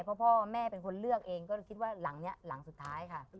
เพราะพ่อแม่เป็นคนเลือกเองก็คิดว่าหลังนี้หลังสุดท้ายค่ะ